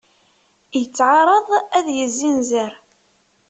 Yettεaraḍ ad yezzinzer.